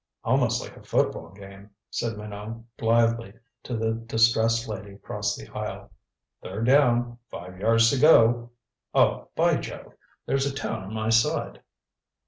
"Almost like a football game," said Minot blithely to the distressed lady across the aisle. "Third down five yards to go. Oh, by jove, there's a town on my side."